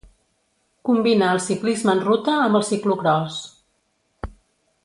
Combina el ciclisme en ruta amb el ciclocròs.